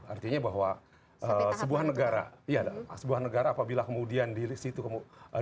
artinya bahwa sebuah negara apabila kemudian di situ dilihat